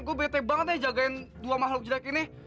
gue bete banget deh jagain dua makhluk jelek ini